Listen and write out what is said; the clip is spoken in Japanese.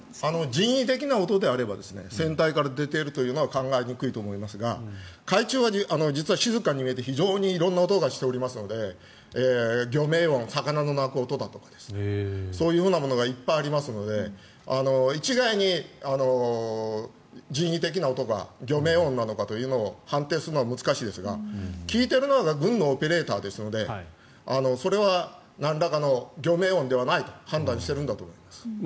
人為的な音であれば船体以外から出ているのは考えにくいと思いますが海中は実は静かに見えて色んな音がしていますので魚鳴音、魚の鳴く音だとかそういうものがいっぱいありますので一概に人為的な音か魚鳴音なのかというのを判定するのは難しいですが聞いているのは軍のオペレーターですのでそれはなんらかの魚鳴音ではないと判断しているんだと思います。